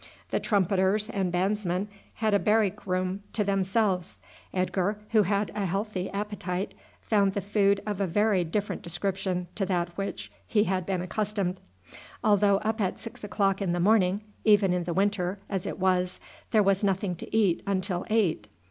The trumpeters and bandsmen had a barrack room to themselves. Edgar, who had a healthy appetite, found the food of a very different description to that to which he had been accustomed. Although up at six o'clock in the morning, even in the winter, as it was, there was nothing to eat until eight.